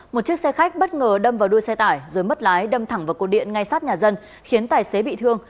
một chiếc xe khách bất ngờ đâm vào đuôi xe tải rồi mất lái đâm thẳng vào cột điện ngay sát nhà dân khiến tài xế bị thương